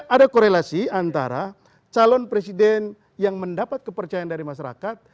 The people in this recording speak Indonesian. ada korelasi antara calon presiden yang mendapat kepercayaan dari masyarakat